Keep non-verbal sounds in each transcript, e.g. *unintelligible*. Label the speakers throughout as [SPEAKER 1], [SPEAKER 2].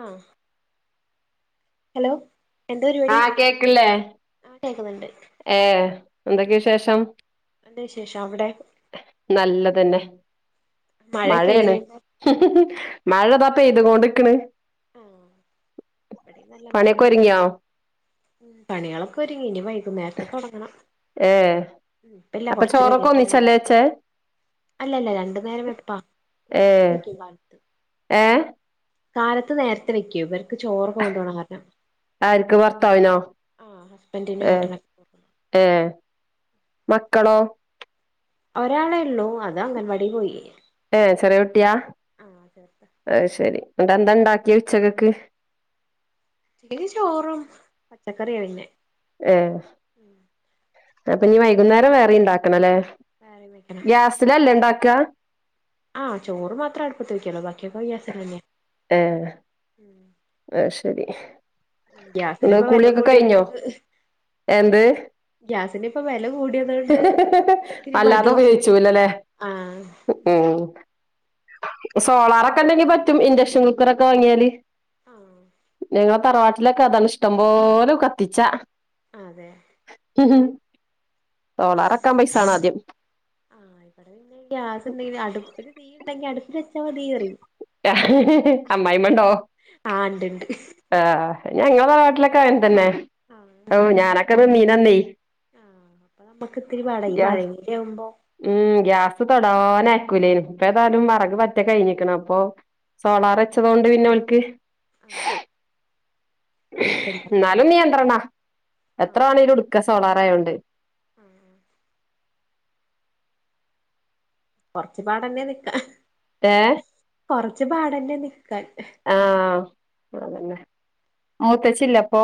[SPEAKER 1] ആഹ് hello എന്തപരിപാടി?
[SPEAKER 2] ആഹ്
[SPEAKER 1] ആഹ് കേക്ക്ന്ന്ണ്ട്
[SPEAKER 2] ഏഹ് എന്തെക്കെ വിശേഷം
[SPEAKER 1] നല്ല വിശേഷം അവ്ടെ
[SPEAKER 2] നല്ലതന്നെ
[SPEAKER 1] മഴയൊക്കെ
[SPEAKER 2] മഴയാണ്.
[SPEAKER 1] എങ്ങനെയുണ്ട്
[SPEAKER 2] *inaudible* മഴതാ പെയ്ത്ങ്ങോണ്ട്ക്ക്ണ്
[SPEAKER 1] ഓ... ഇവിടേംനല്ല മഴേ
[SPEAKER 2] പണിയൊക്കെ ഒരുങ്ങിയോ
[SPEAKER 1] പണ്യാളൊക്കൊര്ങ്ങി ഇനി *inaudible* നേരത്തെ തൊടങ്ങണം
[SPEAKER 2] ഏ
[SPEAKER 1] ഇപ്പില്ല്യാ കൊറച്ച് കഴിഞ്ഞിട്ടേ ഉളളു
[SPEAKER 2] ഛെ
[SPEAKER 1] അല്ലല്ല ല്ല രണ്ട് നേരം വെപ്പാ
[SPEAKER 2] ഏ
[SPEAKER 1] നേരത്തെ വെക്കും കാലത്ത്
[SPEAKER 2] ഏ
[SPEAKER 1] കാലത്ത് നേരത്തെ വെക്കും ഇവർക്ക് ചോറൊക്കെകൊണ്ടോണ കാരണം
[SPEAKER 2] ആർക്ക് ഭർത്താവിനോ
[SPEAKER 1] ആഹ് ഹസ്ബൻഡിനും
[SPEAKER 2] ഏഹ്
[SPEAKER 1] ഏട്ടനൊക്കെ
[SPEAKER 2] ഏഹ് മക്കളോ?
[SPEAKER 1] ഒരാളെ ഉള്ളൂ അതംഗൻവാടി പോയി
[SPEAKER 2] ഏഹ് ചെറിയൊട്ട്യാ
[SPEAKER 1] ആഹ് ചേർത്ത
[SPEAKER 2] അഹ് ശെരി ട്ടെന്താണ്ടാക്കിയേ ഉച്ചക്കക്ക്
[SPEAKER 1] ഒച്ചക്ക് ചോറും പച്ചക്കറിയെന്നെ
[SPEAKER 2] ഏഹ് അപ്പൊ പിന്ന വൈകുന്നേരം വേറെം ണ്ടാക്കണലേ
[SPEAKER 1] കറി വെക്കണം
[SPEAKER 2] ഗ്യാസിലല്ലേ ണ്ടാക്കാ
[SPEAKER 1] ആഹ് ചോറ്മാത്രഅടുപ്പത്ത് വെക്കുള്ളു ബാക്കിയൊക്കെ ഗ്യാസിലെന്നെ
[SPEAKER 2] ഏഹ്
[SPEAKER 1] ഉം
[SPEAKER 2] അയ്ശരി
[SPEAKER 1] ഗ്യാസിലനിപ്പൊ വെല കൂടിയൊണ്ട്
[SPEAKER 2] എന്ത്
[SPEAKER 1] വെല കൂടിയത് കൊണ്ട് ഇത്തിരി മടിയാ
[SPEAKER 2] അല്ലാതെപയോഗിച്ചുലല്ലേ
[SPEAKER 1] ആഹ്
[SPEAKER 2] ഉം സോളാറൊക്കെ ഉണ്ടെങ്കിൽ പറ്റും ഇൻഡക്ഷൻ കുക്കറൊക്കെ വാങ്ങിയാല്
[SPEAKER 1] ആഹ്
[SPEAKER 2] ഞങ്ങളെ തറവാട്ടിലൊക്കെ അതാണ് ഇഷ്ടംപോലെ കത്തിച്ചാ
[SPEAKER 1] അതെ
[SPEAKER 2] സോളാറക്കാൻ പൈസണം ആദ്യം
[SPEAKER 1] ഇവിടെന്നെ ഗ്യാസ്ണ്ടെങ്കിൽ അടുപ്പില് തീ ഉണ്ടെങ്കി അടുപ്പിൽ വെച്ചാൽ മതി അറിയും
[SPEAKER 2] അമ്മായിമ്മണ്ടോ
[SPEAKER 1] ആഹ് ഇണ്ട്ണ്ട്
[SPEAKER 2] ആഹ് ഞങ്ങളുടെ നാട്ടിലൊക്കെ അങ്ങനെ തന്നെ ഓ
[SPEAKER 1] ആഹ്
[SPEAKER 2] ഞാനൊക്കെ ഒ നീന്നീനെന്ന്
[SPEAKER 1] ആഹ് അപ്പൊ നമ്മുക്ക് ഇത്തിരി പാട ഈ
[SPEAKER 2] ഗ്യാസ്
[SPEAKER 1] മഴങ്ങുടെ ആവുമ്പോ
[SPEAKER 2] ഉം ഗ്യാസ് തൊടാന് ആക്കൂലേ ഇപ്പം ഏതായാലും
[SPEAKER 1] ആഹ്
[SPEAKER 2] വെറക് പറ്റേ കഴിഞ്ഞിക്കണ അപ്പൊ സോളാർ വെച്ചതൊണ്ട് പിന്നെ ഓല്ക്ക്
[SPEAKER 1] ആഹ് കൊഴപ്പല്ല
[SPEAKER 2] എന്നാലും നിയന്ത്രണ എത്ര വണെങ്കും ഇടുക്ക സോളാറായൊണ്ട്
[SPEAKER 1] അഹ് കൊറച്ചു പാടന്നെ നിക്കാ
[SPEAKER 2] ഏഹ്
[SPEAKER 1] കൊറച്ച് പാടന്നെ നിക്കാൻ
[SPEAKER 2] ആഹ് അതന്നെ മൂത്തച്ചില്ല അപ്പൊ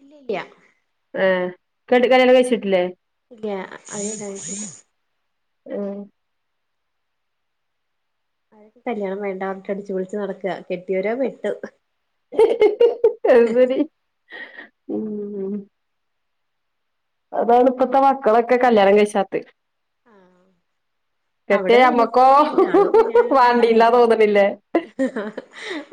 [SPEAKER 1] ഇല്ല്യല്ല
[SPEAKER 2] ഏഹ് കെട്ടി കല്യാണം കഴിച്ചിട്ടില്ലേ
[SPEAKER 1] ഇല്ല അത് തായിട്ടില്ല
[SPEAKER 2] ഉം
[SPEAKER 1] അതൊക്കെ കല്യാണം വേണ്ട അവട്ട് അടിച്ച് പൊളിച്ച് നടക്കുക കെട്ടിയവരോ വെട്ട്
[SPEAKER 2] അയ്ശരി ഉം അതാണ് ഇപ്പഴത്തെ മക്കളൊക്കെ കല്യാണം കഴിച്ചാത്ത്
[SPEAKER 1] ആഹ്
[SPEAKER 2] കെട്ടേ
[SPEAKER 1] അവിടെ ഒരു അനിയത്തി
[SPEAKER 2] അമ്മക്കോ
[SPEAKER 1] കൂടി ഉണ്ട് ആളും കല്യാണം വേണ്ടാന്ന്
[SPEAKER 2] വാണ്ടിയില്ലാ
[SPEAKER 1] പറഞ്ഞു
[SPEAKER 2] തോന്നണില്ലേ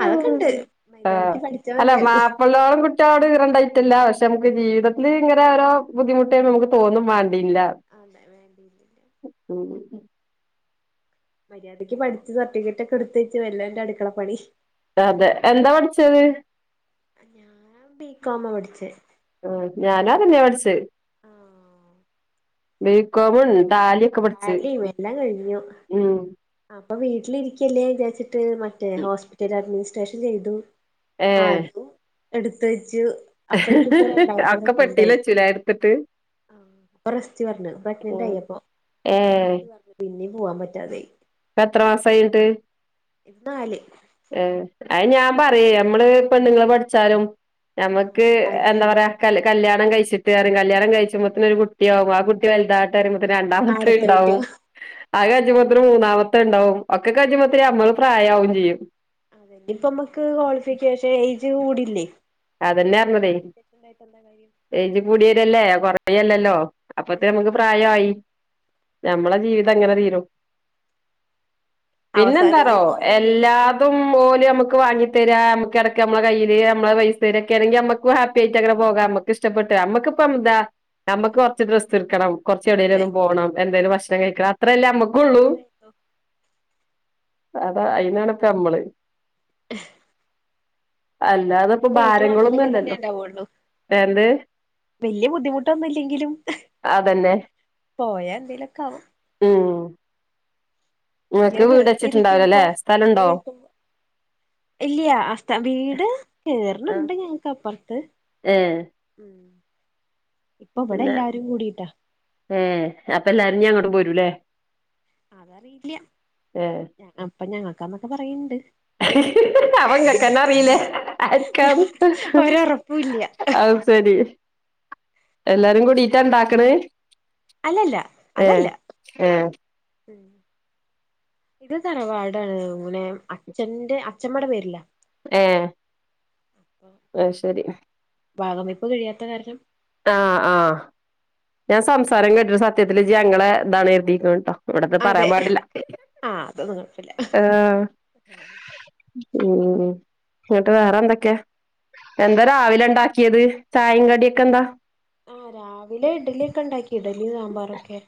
[SPEAKER 1] അതൊക്കെ ഉണ്ട് മര്യാദക്ക് പഠിച്ച
[SPEAKER 2] മാപ്പിള്ളോളം കുട്ടികളോട് ഈറ ഇറണ്ടായിട്ടില്ല പക്ഷെ നമുക്ക് ജീവിതത്തില് ഇങ്ങനെ ഓരോ ബുദ്ധിമുട്ടേ നമുക്ക് തോന്നും വേണ്ടിയില്ല
[SPEAKER 1] അതെ വേണ്ടയില്ലേ
[SPEAKER 2] ഉം
[SPEAKER 1] മര്യാദയ്ക്ക് പഠിച്ച് സർട്ടിഫിക്കറ്റ് ഒക്കെ എടുത്ത് വച്ച് വല്ല എന്റെ അടുക്കള പണി
[SPEAKER 2] അതെ എന്താ പഠിച്ചത്
[SPEAKER 1] ഞാൻ ബികോമ പഠിച്ചെ
[SPEAKER 2] ആഹ് ഞാനാ തന്നെയാ പഠിച്ചത്
[SPEAKER 1] ആഹ്
[SPEAKER 2] ബി കോമും ടാലിയും
[SPEAKER 1] താലീ എല്ലാം കഴിഞ്ഞു അപ്പൊ വീട്ടിലിരിക്കല്ലേ വിചാരിച്ചിട്ട് മറ്റേ ഹോസ്പിറ്റല് അഡ്മിനിസ്ട്രേഷൻ ചെയ്തു ആത് എടുത്തു വെച്ച്
[SPEAKER 2] അക്ക പെട്ടിയിലെച്ചുലെ എടുത്തിട്ട്
[SPEAKER 1] അപ്പ റസ്റ്റ് പറഞ്ഞു
[SPEAKER 2] ഉം
[SPEAKER 1] പറഗ്നൻ്റാണയി അപ്പൊ
[SPEAKER 2] ഏഹ്
[SPEAKER 1] റസ്റ്റ് പറഞ്ഞു പിന്നെയും പോവാൻ പറ്റാതെയായി
[SPEAKER 2] ഇപ്പ എത്ര മാസം ആയിഞ്ഞട്ട്
[SPEAKER 1] എന്നാല്
[SPEAKER 2] ഏ അത് ഞാൻ പറിയ നമ്മള് പെണ്ണുങ്ങള് പഠിച്ചാലും
[SPEAKER 1] ആഹ്
[SPEAKER 2] നമ്മക്ക് എന്താ
[SPEAKER 1] കാര്യൊന്നുല്ല
[SPEAKER 2] പറയാല് കല്യാണം കഴിച്ചിട്ട് അറിം കല്യാണം കഴിച്ച്പൊത്തിന് ഒരു കുട്ടിയാവും ആ കു കു വലുതാട്ട പറിമ്പോത്തേ രണ്ടാമത്തെ
[SPEAKER 1] ആടത്തെ
[SPEAKER 2] ഉണ്ടാവും
[SPEAKER 1] കുട്ടിയോ
[SPEAKER 2] ആ അത്കജുബൊത്തിന് മൂന്നാമത്തെ ഉണ്ടാവും ഒക്ക കജ്ജ്മ്പോത്തിന് നമ്മള് പ്രായാവും ചെയ്യും
[SPEAKER 1] ഇപ്പമ്മക്ക് ക്വാളിഫിക്കേഷൻ ഏജ് കൂടില്ലേ.
[SPEAKER 2] അതന്നെ
[SPEAKER 1] എത്ര
[SPEAKER 2] പറഞ്ഞതേ
[SPEAKER 1] കോളിഫിക്കേഷൻണ്ടായിട്ടന്താ കാര്യം.
[SPEAKER 2] ഏജ് കൂടിവരല്ലേ കൊറയല്ലല്ലോ
[SPEAKER 1] ആഹ്
[SPEAKER 2] അപ്പൊത്ത്ന് നമുക്ക് പ്രായായി. ഞമ്മള ജീവിതം ഇങ്ങനെ തീരും.
[SPEAKER 1] അവസാനം
[SPEAKER 2] പിന്നെന്താടോ
[SPEAKER 1] കൊണ്ട് പോവും പിന്നെ
[SPEAKER 2] എല്ലാ അതും മോന് അമുക്ക് വാങ്ങിതരാ നമുക്കിടക്ക് നമ്മള കയ്യില് നമ്മള പൈസ. തെരൊക്കെണെങ്കിൽ മ്മക്ക് ഹാപ്പി ആയിട്ട് അങ്ങന പോക നമ്മക്ക് ഇഷ്ടപ്പെട്ട് നമ്മക്കിപ്പെന്താ. നമ്മക്ക് കൊറച്ച് ഡ്രസ്സ്‌ട്ക്കണം കൊറച്ച്
[SPEAKER 1] അതെ
[SPEAKER 2] എവിടേലൊന്ന് പോണം എന്തേലും ഭക്ഷണം കഴിക്കണം അത്രല്ലേമ്മക്കൊള്ളൂ.
[SPEAKER 1] *unintelligible*
[SPEAKER 2] അതാ അയിന്നാണ്പ്പ നമ്മള്.
[SPEAKER 1] *inaudible* നമ്മള്
[SPEAKER 2] അല്ലാതപ്പ
[SPEAKER 1] പോയിട്ടും അങ്ങനെയൊക്കെ തന്നെ
[SPEAKER 2] ഭാരങ്ങളൊന്നുല്ലല്ലോ
[SPEAKER 1] ഉണ്ടാവുള്ളു
[SPEAKER 2] എന്ത്
[SPEAKER 1] വല്യ ബുദ്ധിമുട്ടൊന്നുല്ലെങ്കിലും
[SPEAKER 2] അതന്നെ
[SPEAKER 1] പോയാ എന്തേലൊക്കാവും
[SPEAKER 2] ഉം
[SPEAKER 1] ഇങ്ങനെ
[SPEAKER 2] ങ്ങക്ക് വീട്
[SPEAKER 1] വെറുതെ ഇരിക്കുമ്പോ
[SPEAKER 2] വച്ചിട്ടുണ്ടാവൂലല്ലേ സ്ഥലംണ്ടോ.
[SPEAKER 1] ഇല്യാ വീട് കേയറണണ്ട് ഞങ്ങക്ക് അപ്പറത്ത്.
[SPEAKER 2] ഏഹ്
[SPEAKER 1] മ്മ് ഇപ്പബടെ എല്ലാരും കൂടീട്ടാ.
[SPEAKER 2] ഏഹ് അപ്പല്ലാരുഞ്ഞ് അങ്ങ്ട്ടും പോരുലേ
[SPEAKER 1] അതറിയില്ല്യ
[SPEAKER 2] ഏ
[SPEAKER 1] ഞ അപ്പ ഞങ്ങക്കന്നൊക്കെ പറയ്ണ്ട്.
[SPEAKER 2] അപ്പ ഇങ്ങക്കെന്നെ അറീലേ ആര്ക്കാന്ന്
[SPEAKER 1] ഒരൊറപ്പുല്ല
[SPEAKER 2] അത് സെരി എല്ലാരും കൂടിട്ടാ ഇണ്ടാക്ക്ണേ?
[SPEAKER 1] അല്ലല്ല അതല്ല ഉം ഇത് തറവാടാണ് തോന്നുന്നേ അച്ഛന്റെ അച്ഛമ്മടെ പേരില.
[SPEAKER 2] ഏഹ് അത് ശരി.
[SPEAKER 1] ഭാഗം വെപ്പ് കഴിയാത്ത കാരണം.
[SPEAKER 2] ആഹ് ആഹ് ഞാൻ സംസാരം കേട്ടിട്ട് സത്യത്തില് ഇജ്ജ് ഞങ്ങളെ ഇതാണ്ര്തീക്ക്ണ് ട്ടോ ഇവടത്
[SPEAKER 1] അതെ
[SPEAKER 2] പറയാം പാടില്ല
[SPEAKER 1] അതൊന്നും കുഴപ്പല്ല
[SPEAKER 2] ആഹ്
[SPEAKER 1] ആഹ്
[SPEAKER 2] മ്മ് മ്മ് മ്മ് ഇന്നട്ട് വേറെ എന്തൊക്കെ എന്താ രാവിലെ ഇണ്ടാക്കിയത് ചായിം കടിയൊക്കെന്താ?
[SPEAKER 1] ആഹ് രാവിലെ ഇഡലിയൊക്കെ ഇണ്ടാക്കി ഇഡലി സാമ്പാറൊക്കെ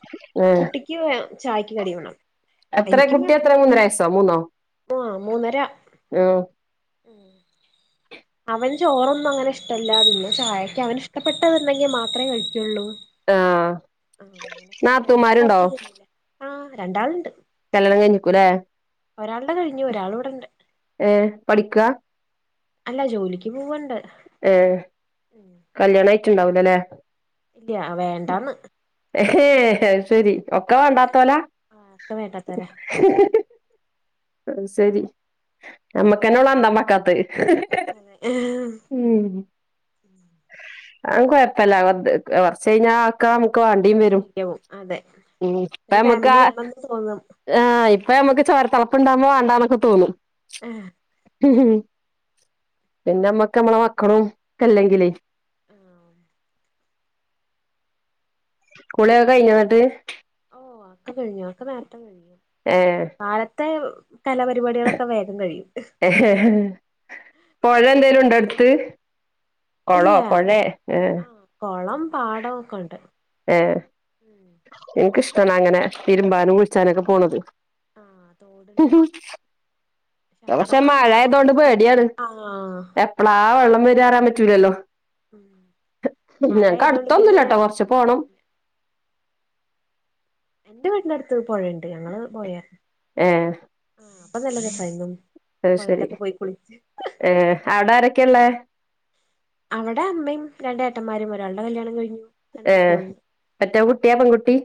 [SPEAKER 2] ഏ,
[SPEAKER 1] കുട്ടി ഇക്ക് ചായക്ക് കടി വേണം.
[SPEAKER 2] എത്രേ
[SPEAKER 1] എനിക്കും
[SPEAKER 2] കുട്ടി
[SPEAKER 1] വേണം
[SPEAKER 2] എത്ര മൂന്നരവയസ്സോ മൂന്നോ ആഹ്
[SPEAKER 1] ഉം അവന് ചോറൊന്നും അങ്ങനെ ഇഷ്ടല്ല പിന്നെ ചായക്ക് അവന് ഇഷ്ടപ്പെട്ടത്ണ്ടെങ്കി മാത്രേ കഴിക്കോള്ളൂ.
[SPEAKER 2] ആ
[SPEAKER 1] ആഹ് അങ്ങനക്കെ കഴിക്കാൻ
[SPEAKER 2] നാത്തൂമാരുണ്ടോ
[SPEAKER 1] കൊറച്ച് പിന്നില ആഹ് രണ്ടാൾണ്ട്.
[SPEAKER 2] കല്യാണം കെയ്ഞ്ഞ്ക്കുലേ.
[SPEAKER 1] ഒരാള് ടെ കഴിഞ്ഞു ഒരാളിവിടെണ്ട്.
[SPEAKER 2] ഏഹ് പഠിക്ക?
[SPEAKER 1] അല്ല ജോലിക്ക് പോവണ്ട്.
[SPEAKER 2] ഏഹ്
[SPEAKER 1] ഉം.
[SPEAKER 2] കല്യാണായിറ്റ്ണ്ടാവൂലലേ.
[SPEAKER 1] ഇ വേണ്ടന്ന്.
[SPEAKER 2] ഏഹ് അത് ശരി ഒക്കെ വാണ്ടാത്തോല
[SPEAKER 1] ആഹ് ഒക്കെ വേണ്ടാത്തവരാ
[SPEAKER 2] അത് സെരി നമ്മക്കന്നൊളളു അന്തം വെക്കാത്തേ
[SPEAKER 1] അതെ
[SPEAKER 2] ഉം അയ്കൊഴപ്പല്ല കൊറച്ച കഴിഞ്ഞാ ആക്ക ക വാണ്ടി
[SPEAKER 1] ഒക്കെ
[SPEAKER 2] വരും
[SPEAKER 1] ശരിയാവും അതെ
[SPEAKER 2] ഇപ്പേ
[SPEAKER 1] ഒരു
[SPEAKER 2] ഞമ്മക്കാ
[SPEAKER 1] ഫാമിലി വേണംന്ന് തോന്നും
[SPEAKER 2] ആഹ് ഇപ്പ ഞമക്ക് ചോര തളപ്പുണ്ടാവുമ്പോ മാണ്ടാന്നൊക്കെ തോന്നും.
[SPEAKER 1] ആഹ്
[SPEAKER 2] ഉ പിന്നെ നമ്മക്ക് നമ്മളെ മക്കളും ഒക്ക ഇല്ലെങ്കിലേ
[SPEAKER 1] ആഹ്
[SPEAKER 2] കുളിക്കെ കയിഞ്ഞോ ന്നട്ട്
[SPEAKER 1] ഓ അഒക്കെ കയിഞ്ഞു അഒക്കെ നേരത്തെ കഴിഞ്ഞു.
[SPEAKER 2] ഏഹ്
[SPEAKER 1] കാലത്തെ കലാപരിപാടികളൊക്കെ വേഗം കഴിയും.
[SPEAKER 2] പോഴ എന്തേലും ണ്ടോ എടുത്ത്
[SPEAKER 1] ഇല്ല
[SPEAKER 2] കൊളോ പൊഴേ ഏഹ്
[SPEAKER 1] ആഹ് കൊളം പാടക്കെ ഉണ്ട്
[SPEAKER 2] ഏ
[SPEAKER 1] ഉം
[SPEAKER 2] ഇൻക്ക് ഇഷ്ടാണ് അങ്ങനെ തിരുമ്പാനും കുളിച്ചാനൊക്കെ പോണത്
[SPEAKER 1] ആഹ് തോട്ണ്ട്
[SPEAKER 2] പക്ഷേ മഴ ആയതോണ്ട് പേടിയാണ് എപ്
[SPEAKER 1] ആഹ്
[SPEAKER 2] - എപ്പളാ ആ വെള്ളം വരാന്ന് പറയാൻ പറ്റൂലല്ലോ?
[SPEAKER 1] മഴ
[SPEAKER 2] ഞങ്ങക്ക്
[SPEAKER 1] ആയതോണ്ട് പിന്നെ
[SPEAKER 2] അടുത്തൊന്നുംല്ലട്ടോ കൊറച്ച് പോണം
[SPEAKER 1] എന്റെ വീടിന്റെടുത്ത് പൊഴണ്ട് ഞങ്ങള് പോയെ
[SPEAKER 2] ഏ
[SPEAKER 1] അപ്പൊ നല്ലരസായിരുന്നു
[SPEAKER 2] അയ്ശരി ഏ അവിടെ ആരൊക്കെ ഉള്ളെ?
[SPEAKER 1] അവിടെ അമ്മയും രണ്ടേട്ടന്മാരും ഒരാളുടെ കല്യാണം കഴിഞ്ഞു രണ്ട്
[SPEAKER 2] ഏ
[SPEAKER 1] കുട്ടികളുണ്ട് ഉം
[SPEAKER 2] മറ്റ കുട്ടിയാ പെൺകുട്ടി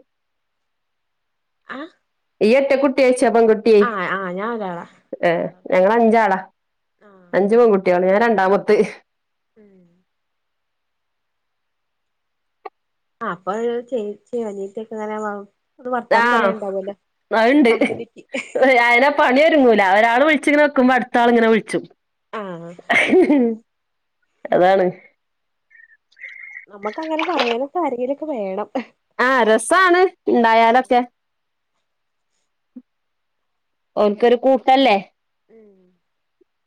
[SPEAKER 1] ആഹ്
[SPEAKER 2] ഇയ്ഒറ്റകുട്ടി ഒയിച്ചാ പെൺ ട്ടി
[SPEAKER 1] ആ ഞാൻ ഒരാളാ
[SPEAKER 2] ഏ
[SPEAKER 1] ഒരാളാ
[SPEAKER 2] ഞങ്ങൾ അഞ്ചാളാ
[SPEAKER 1] ആ
[SPEAKER 2] അഞ്ച്പൺകുട്ടി കുട്ട്യാളിൽഞാൻ രണ്ടാമത്തെ
[SPEAKER 1] ഉം അപ്പ ഒരു ചേച്ചി അനിയത്തിക്കെങ്ങനെ വാങ്ങും അത് വർത്താനം
[SPEAKER 2] ആഹ്
[SPEAKER 1] പറയുണ്ടാവല്ലോ കമ്പനിക്ക്
[SPEAKER 2] ആയന പണിഒരുങ്ങൂല ഒരാൾ വിളിച്ചി ഇങ്ങനെ നിക്കുമ്പോ അടുത്ത ആള് ഇങ്ങനെ വിളിച്ചും
[SPEAKER 1] ആ
[SPEAKER 2] അതാണ്
[SPEAKER 1] നമ്മക്ക് അങ്ങനെ പറയാനൊക്കെ ആരങ്കിലുംലൊക്കെ വേണം
[SPEAKER 2] ആഹ് രസാണ്
[SPEAKER 1] ആ
[SPEAKER 2] ഉണ്ടായാലൊക്കെ? ഓല് കൊരുകൂട്ടല്ലേ?
[SPEAKER 1] ഉം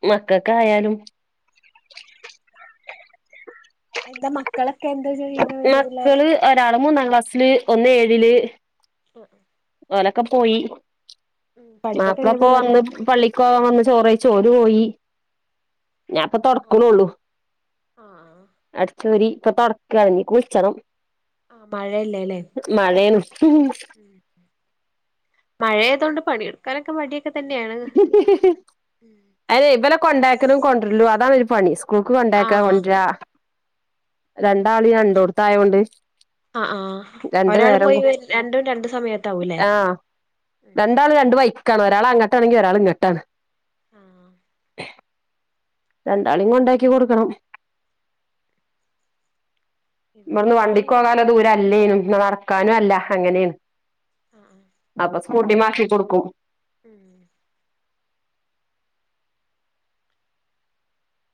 [SPEAKER 2] മക്കക്ക് ആയാലും
[SPEAKER 1] എന്താ മക്കളൊക്കെ എന്താ ചെയ്യണ വല്യ പിള്ളേരാ
[SPEAKER 2] മക്കള് ഒരാള് മൂന്നാം ക്ലാസ്സില് ഒന്ന് ഏഴില്
[SPEAKER 1] ഇ
[SPEAKER 2] ഓലൊക്കെ പോയി
[SPEAKER 1] ഉം പഠിപ്പൊക്കെ എങ്ങനെ
[SPEAKER 2] മാപ്പിളപ്പ
[SPEAKER 1] പോണു അവരുടെ
[SPEAKER 2] വന്ന് പള്ളിക്കോകൻ വന്ന് ചോറ്യച്ച്ഓല്‌പോയി ഞാനിപ്പ തൊടക്ക്‌ണൊള്ളു.
[SPEAKER 1] ആ
[SPEAKER 2] അടിച്ച്‌ ഓരി ഇപ്പൊ തൊടക്കാണ് ഇഞ്ഞി കുളിച്ചണം
[SPEAKER 1] ആ മഴയല്ലേ അല്ലേ
[SPEAKER 2] മഴേണ്
[SPEAKER 1] മഴയതോണ്ട് പണിയെടുക്കാനൊക്കെ മടിയൊക്കെ തന്നെയാണ്
[SPEAKER 2] അതെയ് ഇബലെ കൊണ്ടാക്കലും കൊണ്ടര്ലും അതാണൊര് പണി സ്കൂൾക്ക്
[SPEAKER 1] ആ
[SPEAKER 2] കൊണ്ടാക്കാ കൊണ്ടരാ രണ്ടാളും രണ്ടോട്ത്തായോണ്ട്
[SPEAKER 1] ആഹ് ആഹ് ഒരാള് പോയി വെരും രണ്ടും രണ്ട് സമയത്താവുംല്ലെ
[SPEAKER 2] രണ്ടാളും രണ്ട് വൈക്കാണ് ഒരാള് അങ്ങട്ടാണെങ്കി ഒരാള് ഇങ്ങട്ടാണ്.
[SPEAKER 1] ആഹ്
[SPEAKER 2] രണ്ടാളീം കൊണ്ടാക്കി കൊട്ക്കണം. ന്നാ
[SPEAKER 1] ഇവിടേം
[SPEAKER 2] വണ്ടിക്ക്
[SPEAKER 1] അങ്ങനെന്നെ
[SPEAKER 2] പോകാല്ല ദൂരല്ലേനും ന്നാ നടക്കാനുല്ല അങ്ങനേണ്
[SPEAKER 1] ആഹ് ആഹ്
[SPEAKER 2] അപ്പ സ്കൂട്ടിമ്മെ ആക്കി കൊടുക്കും.
[SPEAKER 1] മ്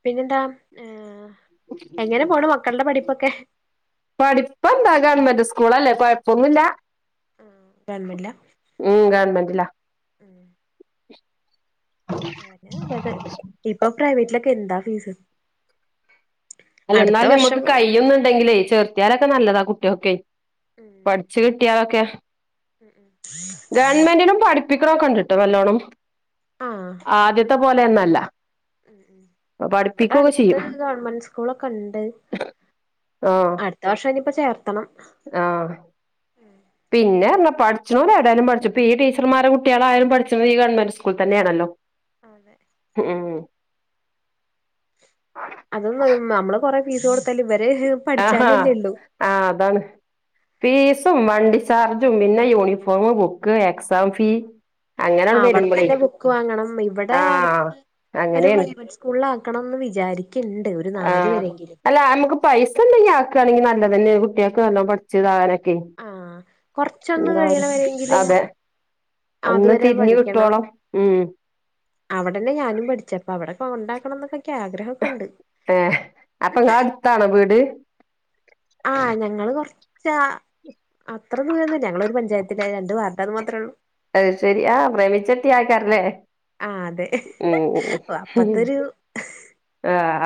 [SPEAKER 1] പിന്നെന്താ ഏ
[SPEAKER 2] *inaudible* പഠിപ്പെന്താ ഗവൺമെന്റ് സ്കൂളല്ലേ കൊഴപ്പൊന്നുല്ല.
[SPEAKER 1] ഉം ഗവൺമെന്റിലാ?
[SPEAKER 2] മ് ഗവൺമെൻ്റിലാ
[SPEAKER 1] ഉം അതന്നെ നല്ലത് ഇപ്പ പ്രൈവറ്റിലൊക്കെ എന്താ ഫീസ്
[SPEAKER 2] അല്ല
[SPEAKER 1] അടുത്ത
[SPEAKER 2] ന്നാലും
[SPEAKER 1] വർഷം
[SPEAKER 2] ഞമ്മക്ക്
[SPEAKER 1] വേണം
[SPEAKER 2] കയ്യുന്ന്ണ്ടങ്കിലെയ് ചേർത്യാലൊക്കെ നല്ലതാ കുട്ട്യാക്ക്
[SPEAKER 1] ഉം
[SPEAKER 2] പഠിച്ച് കിട്ട്യാലൊക്കെ
[SPEAKER 1] *inaudible*
[SPEAKER 2] ശ്രദ്ധിക്ക്ണൊക്കെണ്ട്ട്ടൊ നല്ലോണം
[SPEAKER 1] ആഹ്
[SPEAKER 2] ആദ്യത്തെ പോലെന്നുല്ല
[SPEAKER 1] മ് മ് ഇവടെ അട്ത്ത്
[SPEAKER 2] ചെയ്യും
[SPEAKER 1] ഗവൺമെന്റ് സ് സ്കൂളൊക്കെണ്ട്.
[SPEAKER 2] ആഹ്
[SPEAKER 1] അട്ത്ത വർഷം നിപ്പോ ചേർത്തണം
[SPEAKER 2] ആഹ് പിന്നെർഞ്ഞാ പഠിച്ച്ണോല് എവെടേണേലും പഠിച്ചും പ്പീടീച്ചർമാരെ കുട്ട്യാളായാലും പഠിച്ച്ണത് ഈ ഗവൺമെന്റ് സ്കൂളിൽ തന്നേണല്ലൊ? ഉം..
[SPEAKER 1] അതും നമ്മള് കൊറേ ഫീസ് കൊടുത്താലും ഇവര്
[SPEAKER 2] ആഹാ
[SPEAKER 1] പഠിച്ചാലല്ലേ ള്ളൂ
[SPEAKER 2] ആഹ് അതാണ് ഫീസും വണ്ടി ചാർജും പിന്നെ യൂണിഫോമ്, ബുക്ക്, എക്സാം ഫീ അങ്ങനെയാണ് വരുമ്പളേ
[SPEAKER 1] അവട്ന്നന്നെ ബുക്ക് വാങ്ങണം ഇവടെ
[SPEAKER 2] ആഹ്
[SPEAKER 1] അട്ത്ത് ഒര്
[SPEAKER 2] അങ്ങനെയാണ്
[SPEAKER 1] പ്രൈവറ്റ് സ്കൂളിലാക്കണന്ന് വിചാരിക്ക്ണ്ട് ഒര് നാല്
[SPEAKER 2] ആഹ്
[SPEAKER 1] വരെങ്കിലും
[SPEAKER 2] അല്ല ഞമ്മക്ക് പൈസണ്ടെങ്കിൽ ആക്കാണെങ്കി നല്ലതെന്നെ കുട്ട്യാക്ക് നല്ലോം പഠി ച്ച്താലൊക്കെ
[SPEAKER 1] ആഹ് കൊറച്ചൊന്ന് കഴിയണ
[SPEAKER 2] എന്തായാലും
[SPEAKER 1] വരെങ്കിലും
[SPEAKER 2] അതെ ഒന്ന്
[SPEAKER 1] അതുവരെ
[SPEAKER 2] തിര്ഞ് കിട്ടോളം
[SPEAKER 1] അവടെന്നെ ഞാനും പഠിച്ചെ അപ്പൊ അവിടെക്കൊണ്ടാക്കണം എന്നൊക്കെ ആഗ്രഹൊക്കെണ്ട്
[SPEAKER 2] ഏ അപ്പൊങ്ങളെ അട്ത്താണോ വീട്
[SPEAKER 1] ആഹ് ഞങ്ങള് കൊർച്ചാ അത്ര ദൂരന്നൂല്ല ഞങ്ങളൊര് പഞ്ചായത്തിലാ രണ്ട് വാർഡാന്ന് മാത്രള്ളൂ
[SPEAKER 2] അത് ശെരി ആഹ് പ്രേമിച്ചെട്ട്യേതാക്കാരല്ലേ
[SPEAKER 1] ആഹ് അതെ
[SPEAKER 2] ആഹ്
[SPEAKER 1] അപ്പത്തൊരു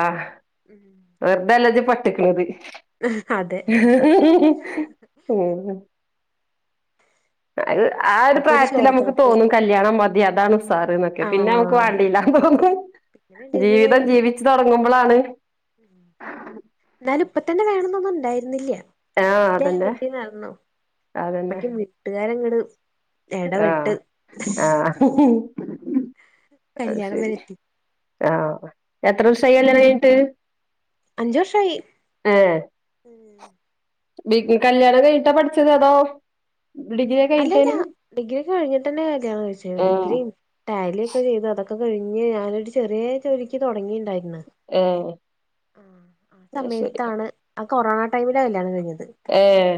[SPEAKER 2] ആഹ്
[SPEAKER 1] മ്
[SPEAKER 2] വെർതെല്ലജ്ജ് പെട്ട്ക്കണയത്
[SPEAKER 1] അതെ
[SPEAKER 2] *inaudible* അത് ആ ഒര്
[SPEAKER 1] അപ്പത്തൊരു
[SPEAKER 2] പ്രായത്തിലമ്മക്ക്
[SPEAKER 1] ചോരത്തിളപ്പ്
[SPEAKER 2] തോന്നും കല്യാണം മതി അതാണ് ഉസാറ് ന്നൊക്കെ പിന്നെ അനക്ക്
[SPEAKER 1] ആഹ്
[SPEAKER 2] വാണ്ടീന്നിലാന്ന് തോന്നും
[SPEAKER 1] പിന്നെ വേണ്ടീന്നില *unintelligible*
[SPEAKER 2] ജീവിച്ച് തൊടങ്ങുമ്പളാണ്
[SPEAKER 1] എന്നാലും ഇപ്പതന്നെ വേണംന്നൊന്നുണ്ടായ്ര്ന്നില്ല
[SPEAKER 2] ആഹ് അതന്നെ
[SPEAKER 1] മെല്ലെ നടന്നു
[SPEAKER 2] അതന്നെ
[SPEAKER 1] അപ്പക്കും വീട്ട് കാരങ്ങട്
[SPEAKER 2] ആഹ് ആഹ് അയ്
[SPEAKER 1] കല്യാണം
[SPEAKER 2] ശെരി
[SPEAKER 1] വരെ എത്തി
[SPEAKER 2] ആഹ എത്ര ദിവസയി കല്യാണം കഴിഞ്ഞിട്ട്
[SPEAKER 1] അഞ്ചു വർഷമായി
[SPEAKER 2] ഏ *unintelligible* കല്യാണം കഴിട്ടാ പഠിച്ചത് അതോ ഡിഗ്രിയൊക്കെ
[SPEAKER 1] അല്ലല്ല
[SPEAKER 2] കഴിഞ്ഞിട്ടേനു
[SPEAKER 1] ഡിഗ്രിയ ഒക്കെ കഴിഞ്ഞിട്ട് തന്നെ കല്ല്യാണം കഴിച്ചത്
[SPEAKER 2] ഏഹ്
[SPEAKER 1] ഡിഗ്രി ടാലി ഒക്കെ ചെയ്തു അതൊക്കെ കഴിഞ്ഞ് ഞാനൊരു ചെറിയ ജോലിക്ക് തുടങ്ങിയിണ്ടായി
[SPEAKER 2] ഏഹ്
[SPEAKER 1] ആ ആ
[SPEAKER 2] അത് ശരി
[SPEAKER 1] സമയത്താണ് ആ കൊറോണ ടൈമില കല്യാണ കഴിഞ്ഞത്
[SPEAKER 2] ഏഹ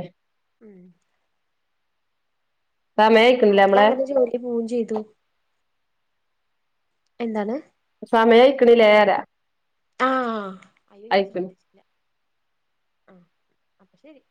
[SPEAKER 2] സമയായിക്കണില്ലേ
[SPEAKER 1] അതിപ്പോ
[SPEAKER 2] നമ്മളെ
[SPEAKER 1] അങ്ങനെ ജോലി പോം ചെയ്തു എന്താണ്
[SPEAKER 2] സമയ ഇക്കടി ലേരാ
[SPEAKER 1] ആ അയ്യോ ഞാൻ ശ്രദ്ധിച്ചില്ല ആ അപ്പം ശരി